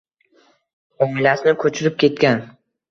oilasini ko’chirib ketgan.